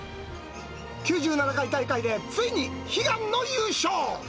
９７回大会でついに悲願の優勝。